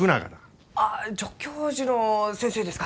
あ助教授の先生ですか！